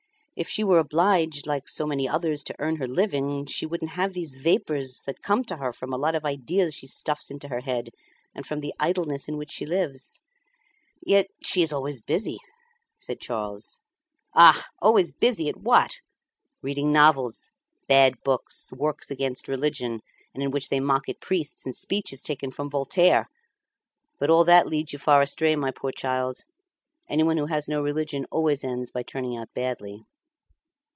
If she were obliged, like so many others, to earn her living, she wouldn't have these vapours, that come to her from a lot of ideas she stuffs into her head, and from the idleness in which she lives." "Yet she is always busy," said Charles. "Ah! always busy at what? Reading novels, bad books, works against religion, and in which they mock at priests in speeches taken from Voltaire. But all that leads you far astray, my poor child. Anyone who has no religion always ends by turning out badly."